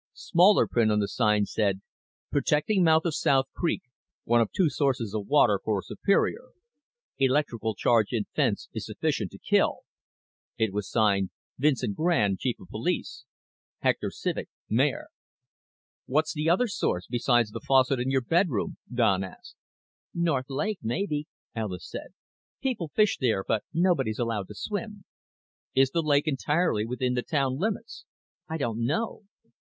Smaller print on the sign said: _Protecting mouth of South Creek, one of two sources of water for Superior. Electrical charge in fence is sufficient to kill._ It was signed: Vincent Grande, Chief of Police, Hector Civek, Mayor. "What's the other source, besides the faucet in your bathroom?" Don asked. "North Lake, maybe," Alis said. "People fish there but nobody's allowed to swim." "Is the lake entirely within the town limits?" "I don't know."